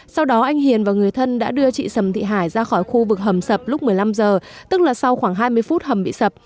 sau đó anh hiền và người thân đã đưa chị sầm thị hải ra khỏi khu vực hầm sập lúc một mươi năm h tức là sau khoảng hai mươi phút hầm bị sập